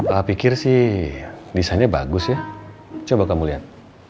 lah pikir sih desainnya bagus ya coba kamu lihat